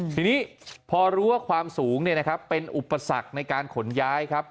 ทีนี้พอรู้ว่าความสูงเป็นอุปสรรคในการขนย้ายครับ